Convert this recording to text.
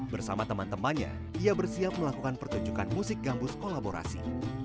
bersama teman temannya ia bersiap melakukan pertunjukan musik gambus kolaborasi